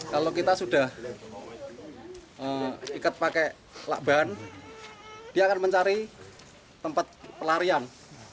kalau kita sudah ikat pakai lakban dia akan mencari tempat pelarian